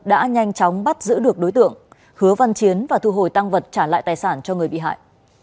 đã nhanh chóng bắt giữ được đối tượng hứa văn chiến và thu hồi tăng vật trả lại tài sản cho người bị hại